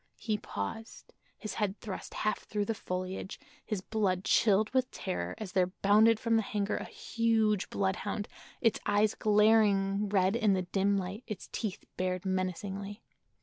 He paused, his head thrust half through the foliage, his blood chilled with terror as there bounded from the hangar a huge bloodhound, its eyes glaring red in the dim light, its teeth bared menacingly.